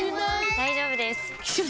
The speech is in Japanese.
大丈夫です！